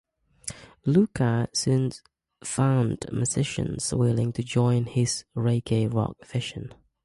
Luca soon found musicians willing to join his reggae-rock vision.